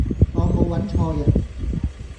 我無搵錯人